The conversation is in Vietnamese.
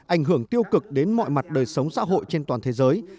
ảnh hưởng tiêu cực đến mọi mặt đời sống xã hội trên toàn thế giới